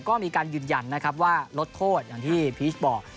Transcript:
ก็มีการยืนยันนะครับว่าลดโทษอย่างที่พีชบอก